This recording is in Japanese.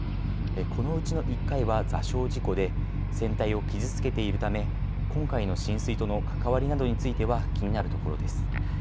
このうちの１回は座礁事故で、船体を傷つけているため、今回の浸水との関わりなどについては気になるところです。